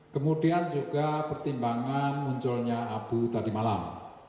kemudian juga pertimbangan munculnya abu tadi malam